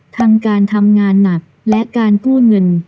ทั้งการทำงานหนักและการกู้เงิน